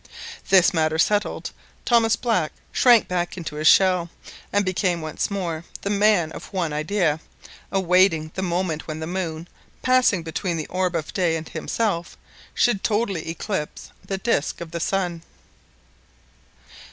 This matter settled, Thomas Black shrank back into his shell, and became once more the man of one idea, awaiting the moment when the moon, passing between the orb of day and "himself," should totally eclipse the disc of the sun.